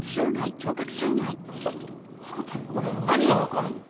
「あなたに俺の何が分かるの？